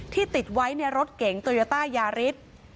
ที่ติดไว้ในรถเก่งโจยะต้ายาริสต์